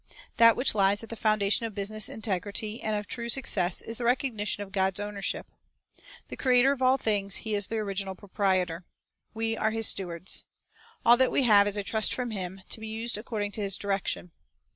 That which lies at the foundation of business integ rity and of true success is the recognition of God's ownership. The Creator of all things, He is the origi stewardship nal proprietor. We are His stewards. All that we have is a trust from Him, to be used according to His direction.